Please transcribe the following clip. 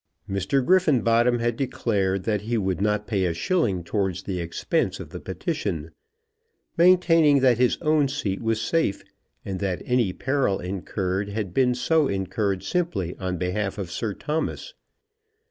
Mr. Griffenbottom had declared that he would not pay a shilling towards the expense of the petition, maintaining that his own seat was safe, and that any peril incurred had been so incurred simply on behalf of Sir Thomas.